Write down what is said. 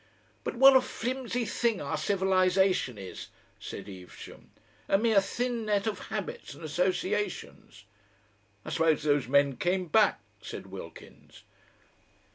"But what a flimsy thing our civilisation is!" said Evesham; "a mere thin net of habits and associations!" "I suppose those men came back," said Wilkins.